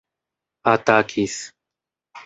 atakis